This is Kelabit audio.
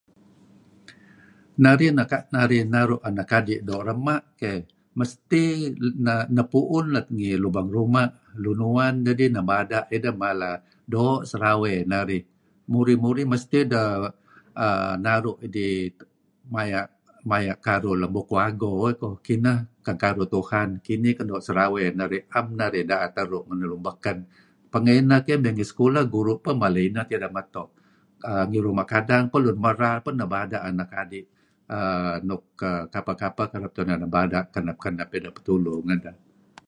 Naruh naru' anak adi' doo' rema; keh, mesti nehpu'un let lem lubang ruma', lun uwan nebada' mala doo' serawey narih murih-murih mesti dih naru' deh maya' maya' karuh lem bukuh ago dih ko', kineh kan karuh tuhan kinih kan doo' serawey narih, 'am narih da'et eru' ngan lun beken. Pengeh ineh keh mey ngi sekulah guru' peh mala ineh tideh meto' . err lun ruma' kadang pun lun merar peh nebad' anak adi' err nuk kapeh-kapeh tu'en nebada' kenep-kenep ideh petulu ngedah.